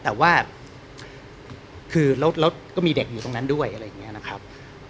แต่ว่าคือรถก็มีเด็กอยู่ตรงนั้นด้วยอะไรอย่างนี้นะครับ